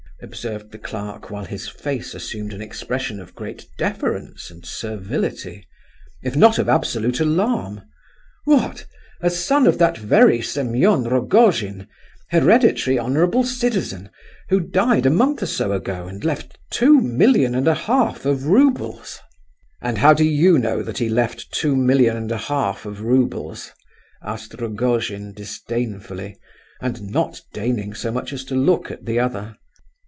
observed the clerk, while his face assumed an expression of great deference and servility—if not of absolute alarm: "what, a son of that very Semen Rogojin—hereditary honourable citizen—who died a month or so ago and left two million and a half of roubles?" "And how do you know that he left two million and a half of roubles?" asked Rogojin, disdainfully, and not deigning so much as to look at the other.